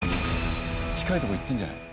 近いとこいってるんじゃない？